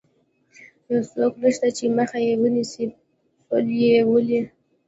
یو څوک نشته چې مخه یې ونیسي، پل یې ولې.